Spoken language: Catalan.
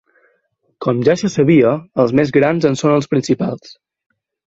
Com ja se sabia, els més grans en són els principals.